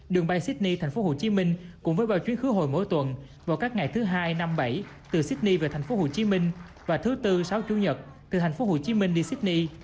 đường bay sydney thành phố hồ chí minh cùng với bao chuyến khứa hồi mỗi tuần vào các ngày thứ hai năm bảy từ sydney về thành phố hồ chí minh và thứ tư sáu chủ nhật từ thành phố hồ chí minh đi sydney